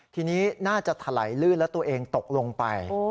ทีนี้น่าจะถลายลื่นแล้วตัวเองตกลงไป